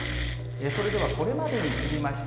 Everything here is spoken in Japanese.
それではこれまでに降りました